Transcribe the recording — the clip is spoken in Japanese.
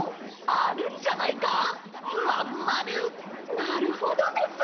なるほどです。